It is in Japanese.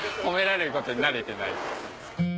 褒められることに慣れてない。